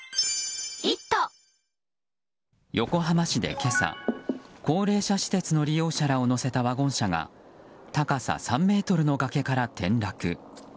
横浜市で今朝高齢者施設の利用者らを乗せたワゴン車が高さ３ｍの崖から転落。